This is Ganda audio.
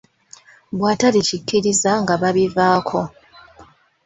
Bw'atalikikkiriza nga babivaako.